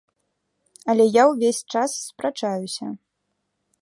Але я ўвесь час спрачаюся.